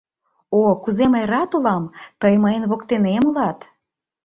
О, кузе мый рат улам: тый мыйын воктенем улат!